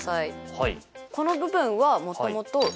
はい。